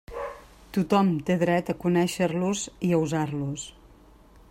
Tothom té dret a conéixer-los i a usar-los.